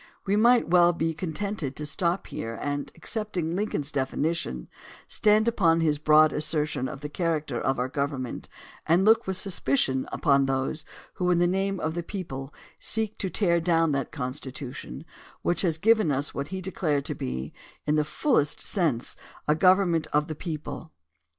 We might well be contented to stop here and, accepting Lincoln's definition, stand upon his broad assertion of the char acter of our government and look with suspicion upon 136 THE DEMOCRACY OF ABRAHAM LINCOLN those who, in the name of the people, seek to tear down that Constitution which has given us what he declared to be, in the fullest sense, a government of the people.